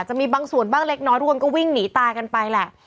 จะมีบางส่วนบ้างเล็กน้อยทุกคนก็วิ่งหนีตายกันไปแหละ